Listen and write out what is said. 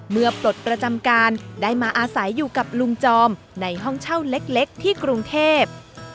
ปลดประจำการได้มาอาศัยอยู่กับลุงจอมในห้องเช่าเล็กที่กรุงเทพ